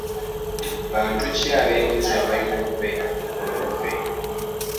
Bantu ki abenkizo abalina okubeera ku mukolo gwaffe?